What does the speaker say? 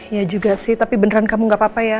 ya juga sih tapi beneran kamu gak apa apa ya